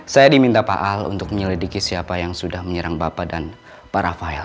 saya diminta pak al untuk menyelidiki siapa yang sudah menyerang bapak dan pak rafael